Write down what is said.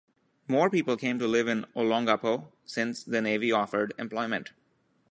More people came to live in Olongapo since the Navy offered employment.